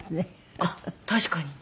あっ確かに。